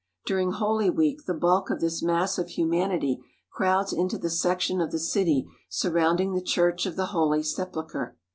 During Holy Week the bulk of this mass of humanity crowds into the section of the city surrounding the Church of the Holy Sepul chre.